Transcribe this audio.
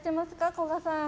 古賀さん。